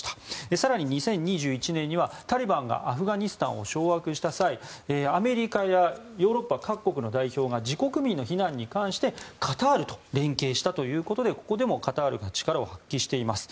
更に２０２１年にはタリバンがアフガニスタンを掌握した際アメリカやヨーロッパ各国の代表が自国民の避難に関してカタールと連携したということでここでもカタールが力を発揮しています。